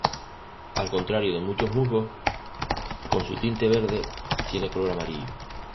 Al contrario de muchos musgos con su tinte verde, tiene color amarillo.